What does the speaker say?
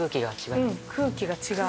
うん空気が違う。